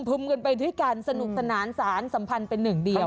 กันไปด้วยกันสนุกสนานสารสัมพันธ์เป็นหนึ่งเดียว